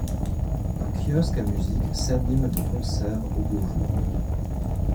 Un kiosque à musique s’anime de concerts aux beaux jours.